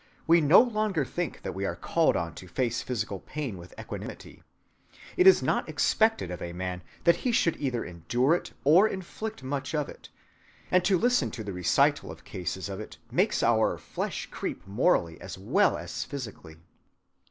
We no longer think that we are called on to face physical pain with equanimity. It is not expected of a man that he should either endure it or inflict much of it, and to listen to the recital of cases of it makes our flesh creep morally as well as physically.